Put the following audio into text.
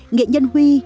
nghệ nhân huy